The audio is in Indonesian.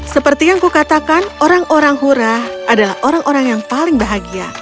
seperti yang kukatakan orang orang hurah adalah orang orang yang paling bahagia